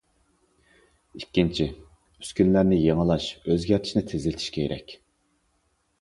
ئىككىنچى، ئۈسكۈنىلەرنى يېڭىلاش، ئۆزگەرتىشنى تېزلىتىش كېرەك.